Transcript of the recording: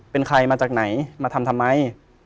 เป็นใครมาจากไหนมาทำทำไม